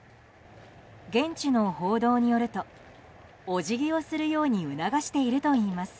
現地の報道によるとおじぎをするように促しているといいます。